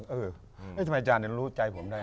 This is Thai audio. เออทำไมอาจารย์รู้ใจผมได้